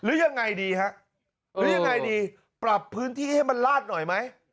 หรือยังไงดีฮะหรือยังไงดีปรับพื้นที่ให้มันลาดหน่อยไหม